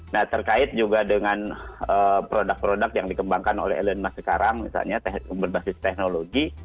nah terkait juga dengan produk produk yang dikembangkan oleh elon musk sekarang misalnya berbasis teknologi